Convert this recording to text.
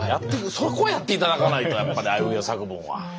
そこやって頂かないとやっぱりあいうえお作文は。